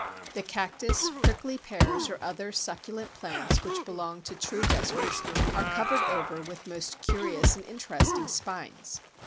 The Cactus, Prickly Pears, or other succulent plants which belong to true deserts, are covered over with most curious and interesting spines.